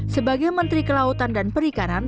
sebagai menteri kelautan dan perikanan